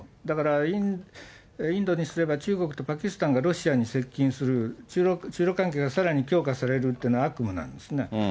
だから、インドにすれば、中国とパキスタンがロシアに接近する、中ロ関係がさらに強化されるっていうのは悪夢なんですね。